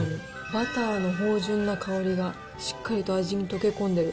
バターの芳醇な香りがしっかりと味に溶け込んでる。